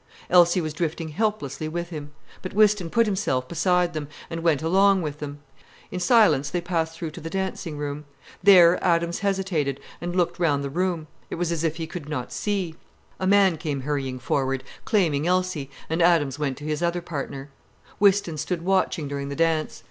Elsie was drifting helplessly with him. But Whiston put himself beside them, and went along with them. In silence they passed through to the dancing room. There Adams hesitated, and looked round the room. It was as if he could not see. A man came hurrying forward, claiming Elsie, and Adams went to his other partner. Whiston stood watching during the dance.